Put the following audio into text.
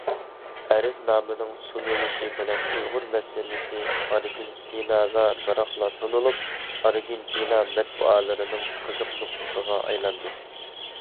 ئەرزنامىنىڭ سۇنۇلۇشى بىلەن ئۇيغۇر مەسىلىسى ئارگېنتىنادا بىراقلا تونۇلۇپ، ئارگېنتىنا مەتبۇئاتلىرىنىڭ قىزىق نۇقتىسىغا ئايلاندى.